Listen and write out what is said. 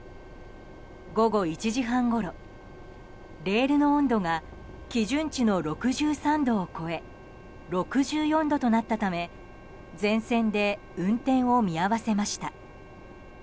午後１時半ごろレールの温度が基準値の６３度を超え６４度となったため全線で運転を見合わせました。